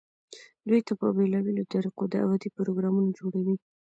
دوي ته په بيلابيلو طريقودعوتي پروګرامونه جوړووي،